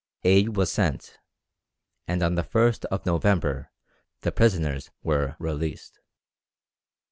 Aid was sent, and on the 1st of November the prisoners were released.